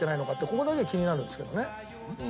ここだけが気になるんですけどね。